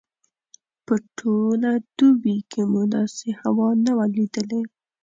په ټوله دوبي کې مو داسې هوا نه وه لیدلې.